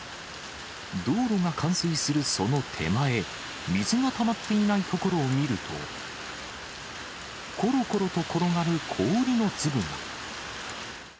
道路が冠水するその手前、水がたまっていない所を見ると、ころころと転がる氷の粒が。